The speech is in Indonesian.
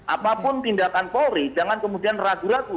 apapun tindakan polri jangan kemudian ragu ragu